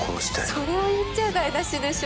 それを言っちゃ台無しでしょ。